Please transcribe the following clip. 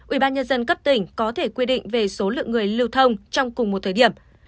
ubnd cấp tỉnh có thể quy định về số lượng người lưu thông trong cùng một thời điểm